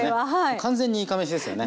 完全にいかめしですよね。